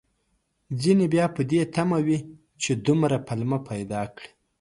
ځينې بيا په دې تمه وي، چې دومره پلمه پيدا کړي